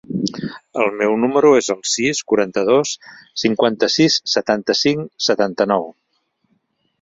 El meu número es el sis, quaranta-dos, cinquanta-sis, setanta-cinc, setanta-nou.